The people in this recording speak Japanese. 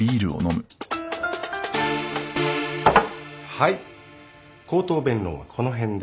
はい口頭弁論はこの辺で。